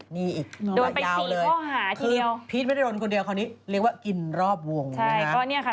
นี่อีกยาวเลยคือพีชไม่ได้รวมคนเดียวเขานี้เรียกว่ากินรอบวงนะครับ